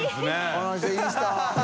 この人いい人。